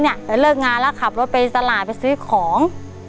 เลิกงานแล้วขับรถไปตลาดไปซื้อของ